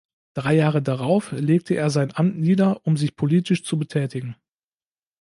Drei Jahre darauf legte er sein Amt nieder, um sich politisch zu betätigen.